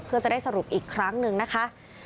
เพื่อจะได้สรุปอีกครั้งหนึ่งนะคะ